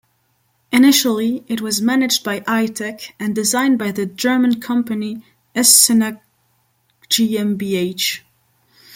Initially it was managed by Eyetech and designed by the German company Escena GmbH.